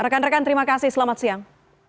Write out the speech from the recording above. rekan rekan terima kasih selamat siang